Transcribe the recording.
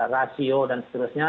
rasio dan seterusnya